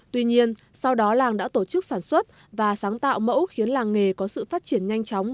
tuy nhiên sau đó làng đã tổ chức sản xuất và sáng tạo mẫu khiến làng nghề có sự phát triển nhanh chóng